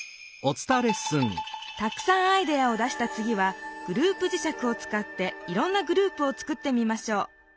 たくさんアイデアを出したつぎは「グループじしゃく」をつかっていろんなグループを作ってみましょう。